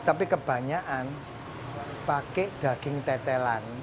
tapi kebanyakan pakai daging tetelan